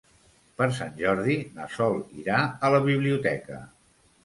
Per Sant Jordi na Sol irà a la biblioteca.